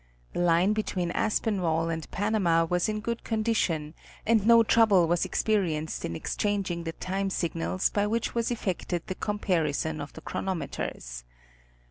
The line between Aspinwall and Panama was in good condition and no trouble was experienced in exchanging the time signals by which was effected the compari son of the chronometers.